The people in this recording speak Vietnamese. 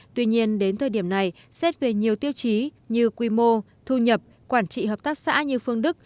tuy nhiên đến thời điểm này xét về nhiều tiêu chí như quy mô thu nhập quản trị hợp tác xã như phương đức